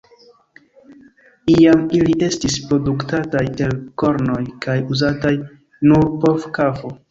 Iam ili estis produktataj el kornoj kaj uzataj nur por kafo.